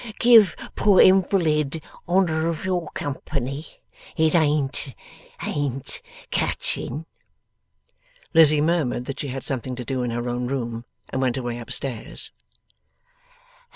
Give poor invalid honour of your company. It ain't ain't catching.' Lizzie murmured that she had something to do in her own room, and went away upstairs.